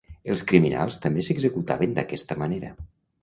Els criminals també s'executaven d'aquesta manera.